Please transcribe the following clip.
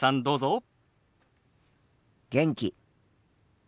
どうぞ。